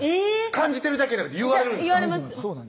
感じてるだけじゃなくて言われるんですか？